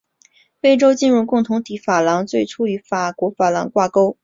非洲金融共同体法郎最初与法国法郎挂钩。